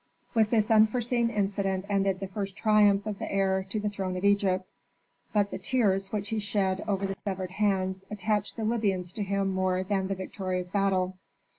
With this unforeseen incident ended the first triumph of the heir to the throne of Egypt. But the tears which he shed over the severed hands attached the Libyans to him more than the victorious battle.